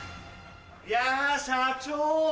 いや社長。